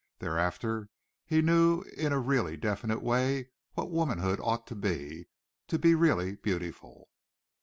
Thereafter he knew in a really definite way what womanhood ought to be, to be really beautiful.